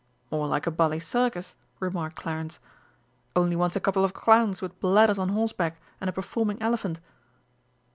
"More like a bally Circus," remarked Clarence. "Only wants a couple of clowns with bladders on horseback and a performing elephant."